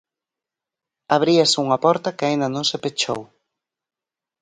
Abríase unha porta que aínda non se pechou.